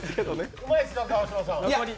うまいですか、川島さん？